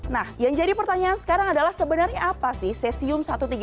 nah yang jadi pertanyaan sekarang adalah sebenarnya apa sih cesium satu ratus tiga puluh